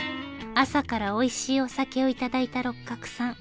朝からおいしいお酒を頂いた六角さん。